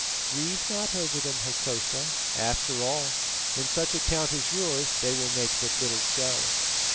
"Grieve not over them, Hokosa; after all, in such a count as yours they will make but little show.